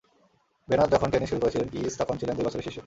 Venous যখন tennis শুরু করেছিলেন কিইস তখন ছিলেন দুই বছরের শিশু।